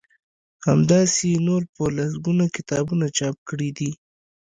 همداسی يې نور په لسګونه کتابونه چاپ کړي دي